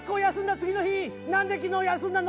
次の日「何で昨日休んだの？」